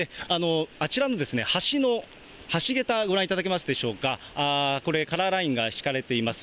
あちらの橋の橋げた、ご覧いただけますでしょうか、これ、カラーラインが引かれています。